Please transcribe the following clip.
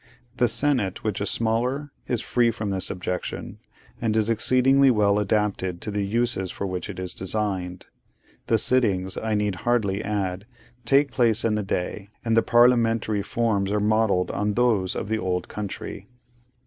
The Senate, which is smaller, is free from this objection, and is exceedingly well adapted to the uses for which it is designed. The sittings, I need hardly add, take place in the day; and the parliamentary forms are modelled on those of the old country.